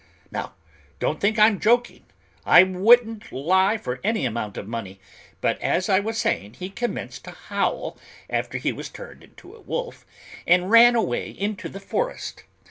Now don't think I'm joking, I wouldn't lie for any amount of money, but as I was saying, he commenced to howl after he was turned into a wolf, and ran away into the forest.